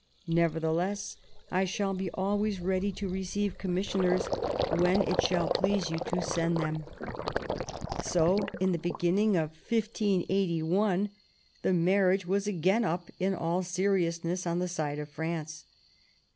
Nevertheless I shall be always ready to receive commissioners when it shall please you to send them." So, in the beginning of 1581, the marriage was again up in all seriousness on the side of France.